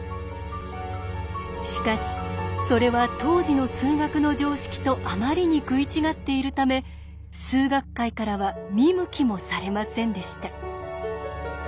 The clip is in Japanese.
しかしそれは当時の数学の常識とあまりに食い違っているため数学界からは見向きもされませんでした。